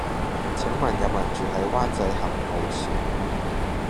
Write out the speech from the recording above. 請問有無人住喺灣仔峽傲璇